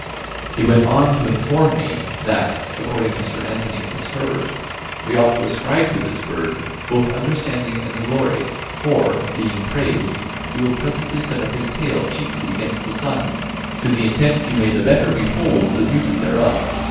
He went on to inform me, that, according to Sir Anthony Fitzherbert, we ought to ascribe, to this bird "both understanding and glory; for, being praised, he will presently set up his tail chiefly against the sun, to the intent you may the better behold the beauty thereof.